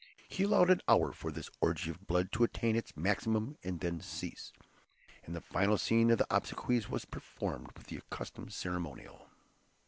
He allowed an hour for this orgy of blood to attain its maximum and then cease, and the final scene of the obsequies was performed with the accustomed ceremonial.